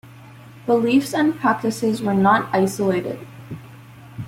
Beliefs and practices were not isolated.